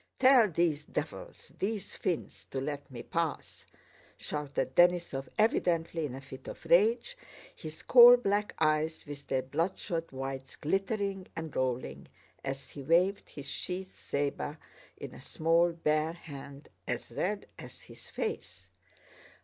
"Tell these devils, these fiends, to let me pass!" shouted Denísov evidently in a fit of rage, his coal black eyes with their bloodshot whites glittering and rolling as he waved his sheathed saber in a small bare hand as red as his face.